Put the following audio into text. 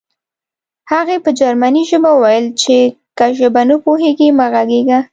هغې په جرمني ژبه وویل چې که ژبه نه پوهېږې مه غږېږه